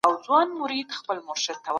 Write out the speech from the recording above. اسلام د خلکو ترمنځ ورورولي رامنځته کړه.